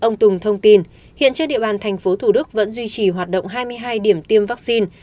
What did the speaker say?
ông tùng thông tin hiện trên địa bàn tp hcm vẫn duy trì hoạt động hai mươi hai điểm tiêm vaccine